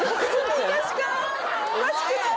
おかしくない？